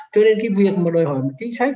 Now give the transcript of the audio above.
cho nên cái việc mà đòi hỏi một chính sách